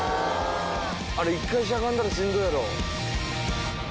あれ一回しゃがんだらしんどいやろ。